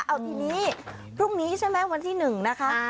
เอาทีนี้พรุ่งนี้ใช่ไหมวันที่๑นะคะ